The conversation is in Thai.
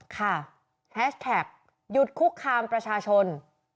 แฮชแท็กหยุดคุกคามประชาชน